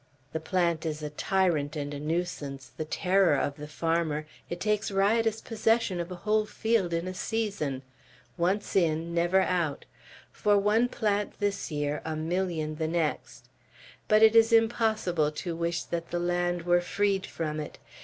The plant is a tyrant and a nuisance, the terror of the farmer; it takes riotous possession of a whole field in a season; once in, never out; for one plant this year, a million the next; but it is impossible to wish that the land were freed from it.